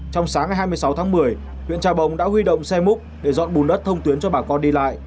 trong sáng ngày hai mươi sáu tháng một mươi huyện trà bồng đã huy động xe múc để dọn bùn đất thông tuyến cho bà con đi lại